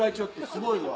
すごいわ。